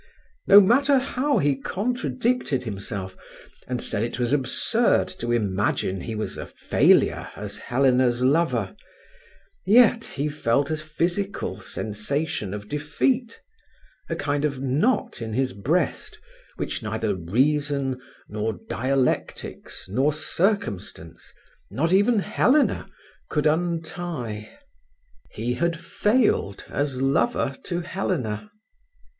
No matter how he contradicted himself, and said it was absurd to imagine he was a failure as Helena's lover, yet he felt a physical sensation of defeat, a kind of knot in his breast which neither reason, nor dialectics, nor circumstance, not even Helena, could untie. He had failed as lover to Helena.